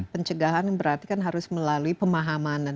pencegahan berarti kan harus melalui pemahaman